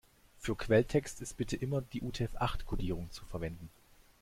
Für Quelltext ist bitte immer die UTF-acht-Kodierung zu verwenden.